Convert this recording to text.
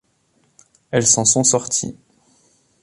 Elles s’en sont sorties.